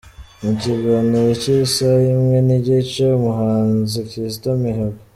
Mu kiganiro cyisaha imwe nigice, umuhanzi Kizito Mihigo.